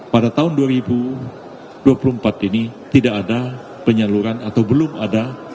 pada tahun dua ribu dua puluh empat ini tidak ada penyaluran atau belum ada